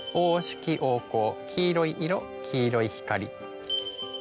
黄色い色黄色い光。